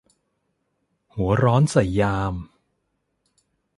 หัวร้อนใส่ยาม